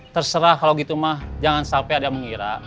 terserah kalau gitu mah jangan sampai ada yang mengira